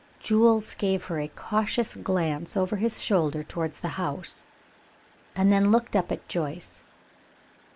Jules gave a cautious glance over his shoulder towards the house, and then looked up at Joyce.